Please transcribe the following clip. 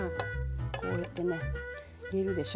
こうやってね入れるでしょ。